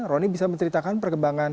roni bisa menceritakan perkembangan